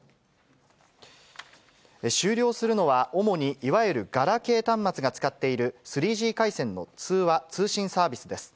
終了するのは、主にいわゆるガラケー端末が使っている３Ｇ回線の通話・通信サービスです。